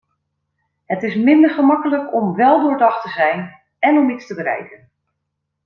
Het is minder gemakkelijk om weldoordacht te zijn en om iets te bereiken.